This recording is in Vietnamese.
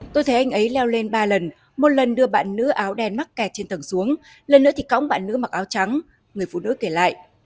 tôi thấy anh ấy leo lên ba lần một lần đưa bạn nữ áo đen mắc kẹt trên tầng xuống lần nữa thì cõng bạn nữ mặc áo trắng người phụ nữ kể lại